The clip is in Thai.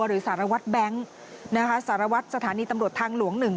หรือสารวัตรแบนค์นะคะสารวัตรสถานีตำรวจทางหลวง๑